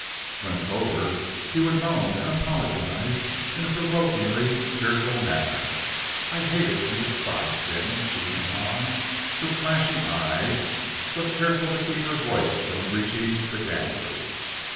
When sober, he would moan and apologize in a provokingly tearful manner. I hated and despised him," she went on, with flashing eyes, but careful to keep her voice from reaching the gamblers.